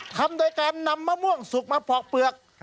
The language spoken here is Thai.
ทำโดยการนำมะม่วงสุกมาปอกเปลือก